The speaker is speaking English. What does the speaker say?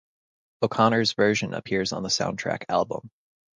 O'Connor's version appears on the soundtrack album.